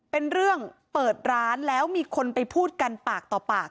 เป็นเรื่องเปิดร้านแล้วมีคนไปพูดกันปากต่อปาก